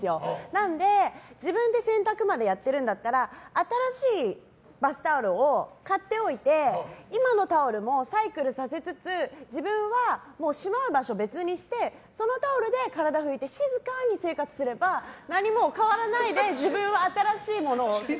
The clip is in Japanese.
なので、自分で洗濯までやってるんだったら新しいバスタオルを買っておいて今のタオルもサイクルさせつつ自分はしまう場所を別にしてそのタオルで体を拭いて、静かに生活をすれば何も変わらないで自分は新しいものを。